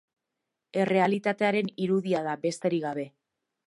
Errealitatearen irudia da, besterik gabe.